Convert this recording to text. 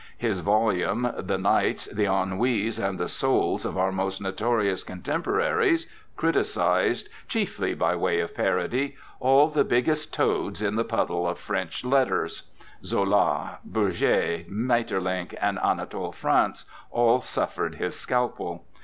His volume The Nights, The Ennuis, and The Souls of our Most Notorious Contemporaries, criticised, chiefly by way of parody, all the biggest toads in the puddle of French letters; Zola, Bourget, Maeterlinck, and Anatole France all suffered his scalpel.